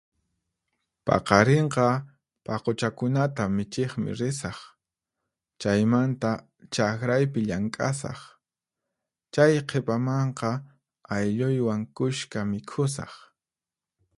Paqarinqa paquchakunata michiqmi risaq, chaymanta chaqraypi llank'asaq. Chay qhipamanqa aylluywan kushka mikhusaq.